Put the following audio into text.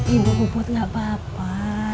ibu bubut enggak apa apa